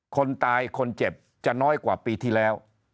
คนตายคนเจ็บจะน้อยกว่าปีที่แล้ว